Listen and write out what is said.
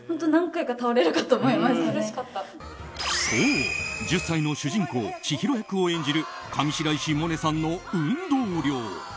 そう、１０歳の主人公・千尋役を演じる上白石萌音さんの運動量。